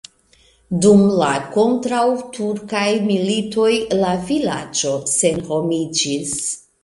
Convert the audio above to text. Dum la kontraŭturkaj militoj la vilaĝo senhomiĝis.